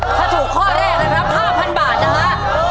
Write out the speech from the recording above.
ถ้าถูกข้อแรกนะครับ๕๐๐บาทนะฮะ